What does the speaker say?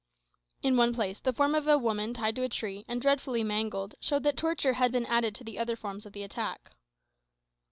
In one place the form of a woman tied to a tree, and dreadfully mangled, showed that torture had been added to the other horrors of the attack.